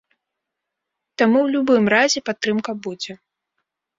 Таму ў любым разе падтрымка будзе.